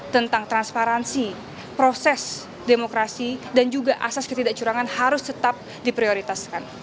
tentang transparansi proses demokrasi dan juga asas ketidakcurangan harus tetap diprioritaskan